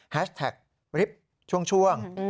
แฮสแท็กริปช่วง